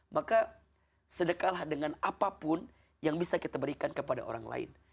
maka sedekahlah dengan apapun yang bisa kita berikan kepada orang lain